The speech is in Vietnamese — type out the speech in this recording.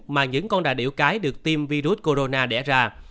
mà những con đà điểu cái được tiêm virus corona đẻ ra